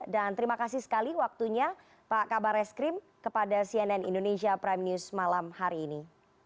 dan terima kasih sekali waktunya pak kabar eskrim kepada cnn indonesia prime news malam hari ini